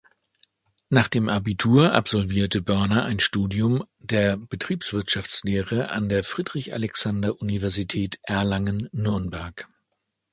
Nach dem Abitur absolvierte Börner ein Studium der Betriebswirtschaftslehre an der Friedrich-Alexander-Universität Erlangen-Nürnberg.